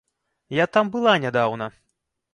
Я там была нядаўна.